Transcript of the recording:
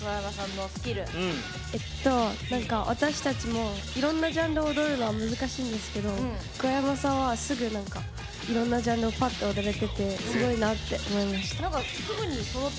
私たちもいろんなジャンル踊るのは難しいんですけど、桑山さんはすぐ、いろんなジャンルをパッと踊れててすごいなって思いました。